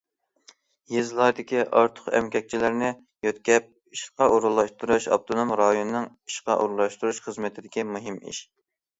يېزىلاردىكى ئارتۇق ئەمگەكچىلەرنى يۆتكەپ ئىشقا ئورۇنلاشتۇرۇش ئاپتونوم رايوننىڭ ئىشقا ئورۇنلاشتۇرۇش خىزمىتىدىكى مۇھىم ئىش.